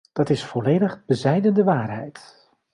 Dat is volledig bezijden de waarheid.